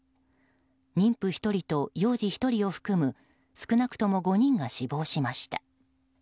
妊婦１人と幼児１人を含む少なくとも５人が死亡しました。